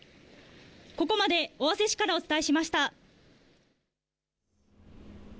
ここまで尾鷲市からお伝えしました。